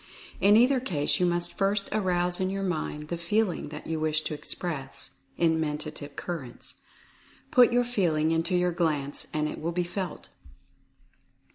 In either case, you must first arouse in your mind the 230 Use of Mentative Instruments 231 Feeling that you wish to express in Mentative Cur rents. Put your Feeling into your glance, and it will be felt.